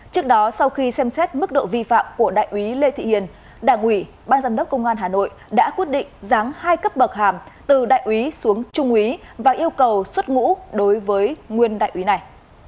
trước đó sau khi xem xét mức độ vi phạm của đại úy lê thị hiền đảng ủy ban giám đốc công an hà nội đã quyết định giáng hai cấp bậc hàm từ đại úy xuống trung úy và yêu cầu xuất ngũ đối với nguyên đại úy này